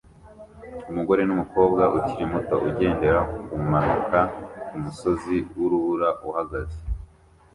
Umugore numukobwa ukiri muto ugendera kumanuka kumusozi wurubura uhagaze